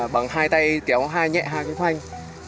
bằng hai tay kéo hai nhẹ hai cái phanh